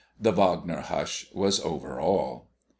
The Wagner hush was over all.